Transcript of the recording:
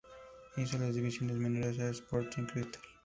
Hizo las divisiones menores en Sporting Cristal.